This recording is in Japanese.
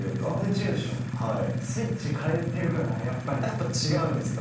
やっぱ違うんですか？